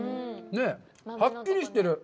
はっきりしてる！